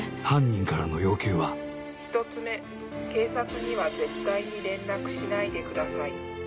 犯人からの要求は☎１つめ警察には絶対に連絡しないでください